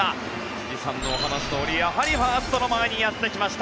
辻さんのお話どおりやはりファーストの前にやってきました。